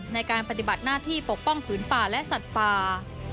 ในการปฏิบัติหน้าที่ปกป้องผืนป่าและสัตว์ป่า